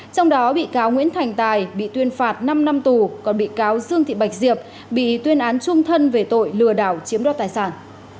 trong đó bị cáo nguyễn thành tài bị tuyên phạt năm năm tù còn bị cáo dương thị bạch diệp bị tuyên án trung thân về tội lừa đảo chiếm đoạt tài sản